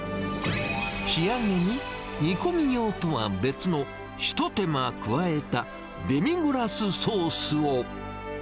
仕上げに、煮込み用とは別のひと手間加えたデミグラスソースを。